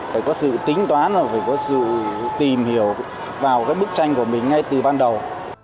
phải có sự tính toán là phải có sự tìm hiểu vào cái bức tranh của mình ngay từ ban đầu